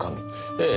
ええ。